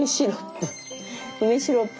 梅シロップ。